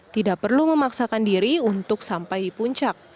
tidak perlu memaksakan diri untuk sampai di puncak